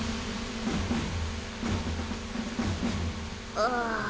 ああ。